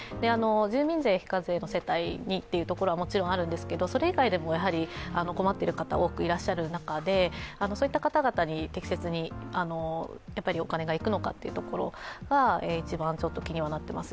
住民税非課税世帯にというところはもちろんあるんですけど、それ以外でも、困っている方多くいらっしゃる中でそういった方々に適切にお金がいくのかというところが一番気にはなっています。